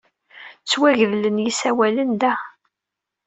Ttwagedlen yisawalen da.